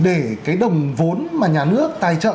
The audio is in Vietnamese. để cái đồng vốn mà nhà nước tài trợ